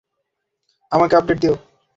আমাকে আপডেট দিও।